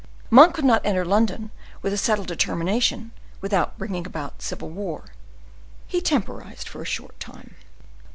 Monk could not enter London with a settled determination without bringing about civil war. He temporized for a short time.